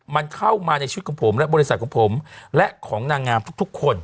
มันเข้ามาในชีวิตของผมและบริษัทของผมและของนางงามทุกคน